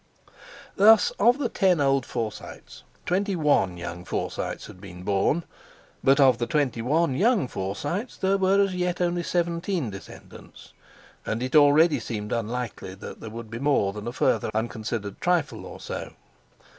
Thus, of the ten old Forsytes twenty one young Forsytes had been born; but of the twenty one young Forsytes there were as yet only seventeen descendants; and it already seemed unlikely that there would be more than a further unconsidered trifle or so.